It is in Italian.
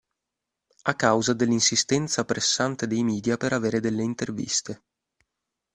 A causa dell'insistenza pressante dei media per avere delle interviste.